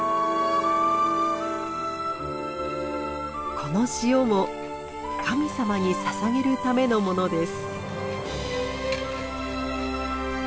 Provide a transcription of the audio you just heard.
この塩も神様にささげるためのものです。